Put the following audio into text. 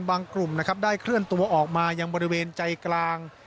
กลุ่มนะครับได้เคลื่อนตัวออกมายังบริเวณใจกลาง